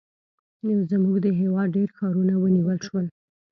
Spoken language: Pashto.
زموږ د هېواد ډېر ښارونه ونیول شول.